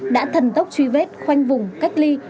đã thần tốc truy vết khoanh vùng cách ly